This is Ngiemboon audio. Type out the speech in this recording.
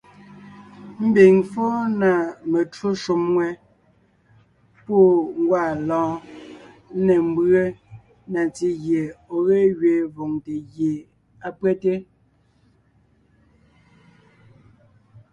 Ḿbiŋ fɔ́ɔn na metwó shúm ŋwɛ́, pú ńgwaa lɔ́ɔn, ńne ḿbʉe na ntí gie ɔ̀ ge gẅiin vòŋte gie á pÿɛ́te.